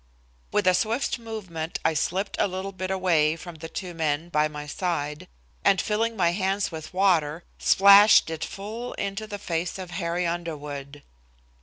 With a swift movement I slipped a little bit away from the two men by my side, and, filling my hands with water, splashed it full into the face of Harry Underwood.